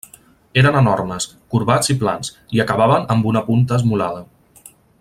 Eren enormes, corbats i plans i acabaven amb una punta esmolada.